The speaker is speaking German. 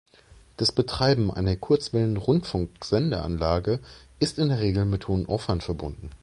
Das Betreiben einer Kurzwellenrundfunk-Sendeanlage ist in der Regel mit hohem Aufwand verbunden.